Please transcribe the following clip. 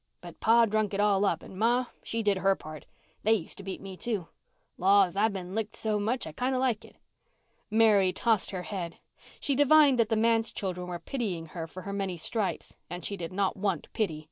But pa drunk it all up and ma, she did her part. They used to beat me, too. Laws, I've been licked so much I kind of like it." Mary tossed her head. She divined that the manse children were pitying her for her many stripes and she did not want pity.